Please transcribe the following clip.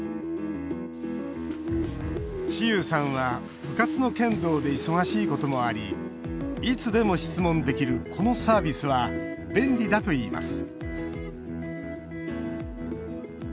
士悠さんは部活の剣道で忙しいこともありいつでも質問できるこのサービスは便利だといいます